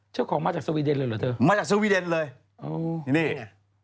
เจ้าของมาจากสวีเดนเลยเหรอเธอมาจากสวีเดนเลยโอ้นี่ไง